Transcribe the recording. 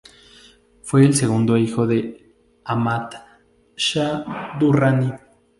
Fue el segundo hijo de Ahmad Shah Durrani.